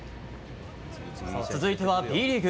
続いてはＢリーグ。